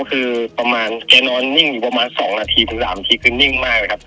คือประมาณแกนอนนิ่งอยู่ประมาณ๒นาทีถึง๓นาทีคือนิ่งมากเลยครับ